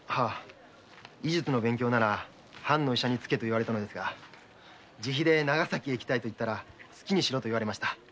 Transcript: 医術の勉強なら「藩の医者につけ」と言われたのですが自費で長崎へ行きたいと言ったら「好きにしろ」と言われました。